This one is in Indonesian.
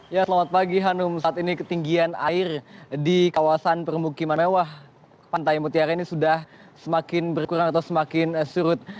ya selamat pagi hanum saat ini ketinggian air di kawasan permukiman mewah pantai mutiara ini sudah semakin berkurang atau semakin surut